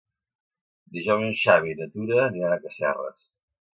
Dijous en Xavi i na Tura aniran a Casserres.